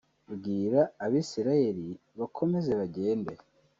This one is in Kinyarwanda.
“Bwira Abisirayeri bakomeze bajyende